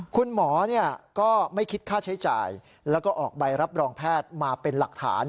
คุณหมอก็ไม่คิดค่าใช้จ่ายแล้วก็ออกใบรับรองแพทย์มาเป็นหลักฐาน